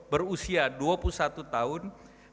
berusia dua puluh satu tahun